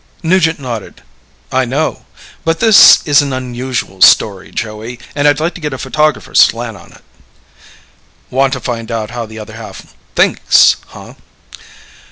Nugent nodded. "I know. But this is an unusual story, Joey, and I'd like to get a photographer's slant on it." "Want to find out how the other half thinks, huh?"